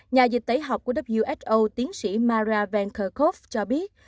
nhà dịch tẩy học của who tiến sĩ mara van kerkhove cho biết